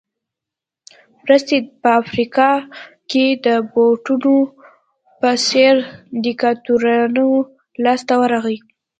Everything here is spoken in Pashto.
مرستې په افریقا کې د موبوټو په څېر دیکتاتورانو لاس ته ورغلې.